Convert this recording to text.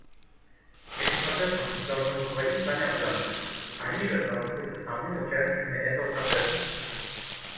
Этим процессом должны руководить сами афганцы, они же должны быть основными участниками этого процесса.